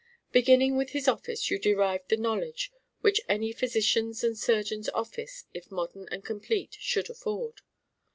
Beginning with his office, you derived the knowledge which any physician's and surgeon's office, if modern and complete, should afford.